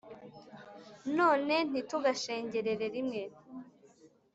none ntitugashengerere rimwe